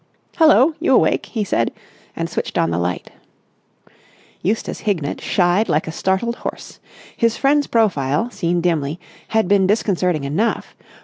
"Hullo! You awake?" he said, and switched on the light. Eustace Hignett shied like a startled horse. His friend's profile, seen dimly, had been disconcerting enough.